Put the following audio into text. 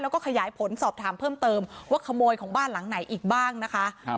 แล้วก็ขยายผลสอบถามเพิ่มเติมว่าขโมยของบ้านหลังไหนอีกบ้างนะคะ